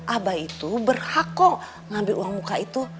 abah itu berhak kok ngambil uang muka itu